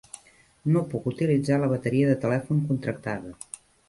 No puc utilitzar la bateria de telèfon contractada.